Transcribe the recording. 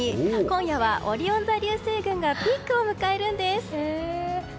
今夜はオリオン座流星群がピークを迎えるんです。